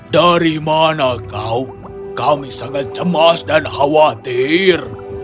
dari mana kau kami sangat cemas dan khawatir